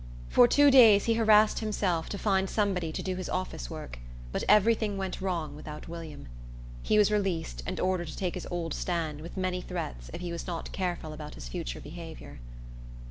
For two days he harassed himself to find somebody to do his office work; but every thing went wrong without William. He was released, and ordered to take his old stand, with many threats, if he was not careful about his future behavior.